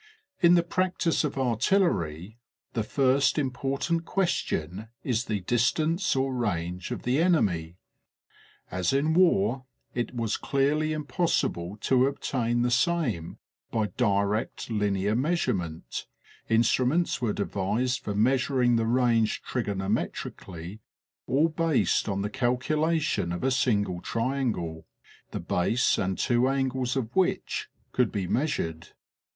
. In the practice of artillery, the first important question is the distance or range of the enemy. As in war it was clearly impos sible to obtain the same by direct linear measurement, instruments were devised for measuring the range trigonometrically, all based on the calculation of a single triangle, the base and two angles of which could be measured.